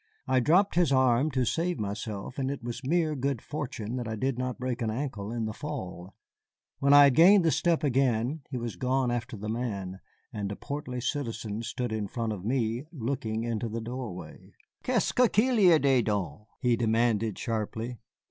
I dropped his arm to save myself, and it was mere good fortune that I did not break an ankle in the fall. When I had gained the step again he was gone after the man, and a portly citizen stood in front of me, looking into the doorway. "Qu'est ce qu'il y a la dedans?" he demanded sharply.